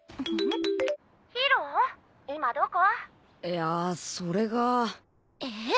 いやそれが。えっ？